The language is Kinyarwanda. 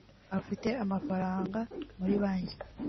afite amafaranga muri banki